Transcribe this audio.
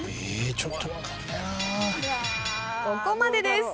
ここまでです。